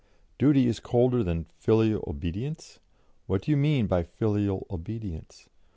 Duty is colder than 'filial obedience'? What do you mean by filial obedience?